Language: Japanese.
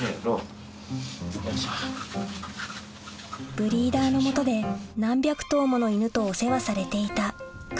ブリーダーのもとで何百頭もの犬とお世話されていたか